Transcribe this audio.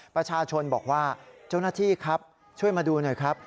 ประชาชนบอกว่าเจ้าหน้าที่ครับช่วยมาดูหน่อยครับ